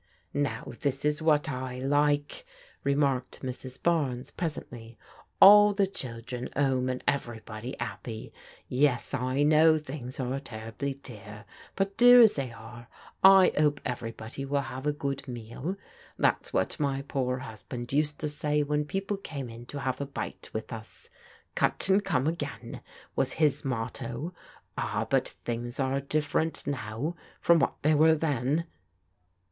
"Now this is what I like," remarked Mrs. Barnes presently. " All the children 'ome and everybody 'appy. Yes, I know things are terribly dear, but dear as they are, I 'ope everybody will have a good meal. That's what my poor husband used to say when people came in to have a bite with us. ' Cut and come again,' was his motto. Ah, but things are diflferent now from what they were then."